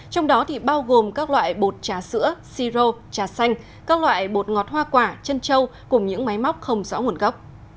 trong đó bao gồm các loại bột trà sữa si rô trà xanh các loại bột ngọt hoa quả chân trâu cùng những máy móc không rõ nguồn gốc